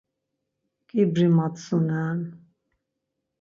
Ǩibri matzunen.